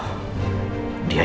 aku mau jadi siapa